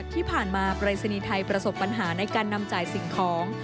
ที่ผ่านมาปรายศนีย์ไทยประสบปัญหาในการนำจ่ายสิ่งของ